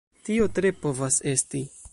Tio tre povas esti.